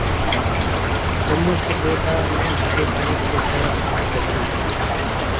जम्मू के डोडा में भारी बारिश से सड़क धंसी